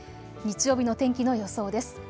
日曜日の天気の予想です。